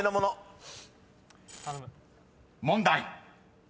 ［問題］